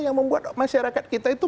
yang membuat masyarakat kita itu